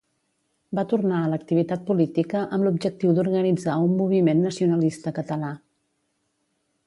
Va tornar a l'activitat política amb l'objectiu d'organitzar un moviment nacionalista català.